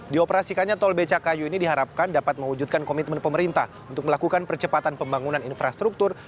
dioperasikannya tol becakayu ini diharapkan dapat mewujudkan komitmen pemerintah untuk melakukan percepatan pembangunan infrastruktur